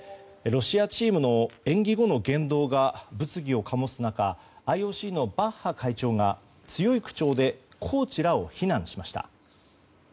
ロシアチームの演技後の言動が物議を醸す中ＩＯＣのバッハ会長が強い口調でコーチらを非難しました。